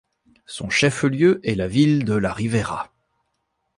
Son chef-lieu est la ville de La Rivera.